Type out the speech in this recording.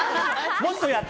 もっとやって！